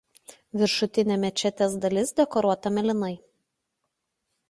Viršutinė mečetės dalis dekoruota mėlynai.